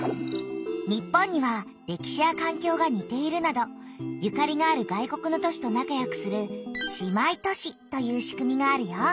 日本には歴史やかんきょうがにているなどゆかりがある外国の都市と仲よくする「姉妹都市」というしくみがあるよ。